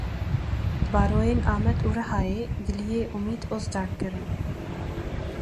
Baroyên Amed û Rihayê giliyê Umît Ozdag kirin.